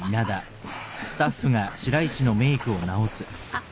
あっ。